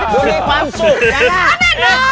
คุณมีความสุขนะ